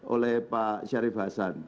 oleh pak syarif hasan